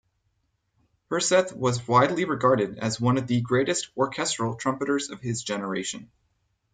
Herseth was widely regarded as one of the greatest orchestral trumpeters of his generation.